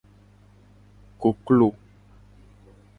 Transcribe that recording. Koklo.